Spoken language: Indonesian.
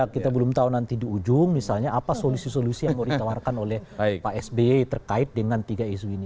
kita belum tahu nanti di ujung misalnya apa solusi solusi yang mau ditawarkan oleh pak sby terkait dengan tiga isu ini